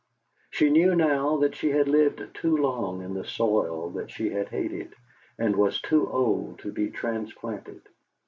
She knew now that she had lived too long in the soil that she had hated; and was too old to be transplanted.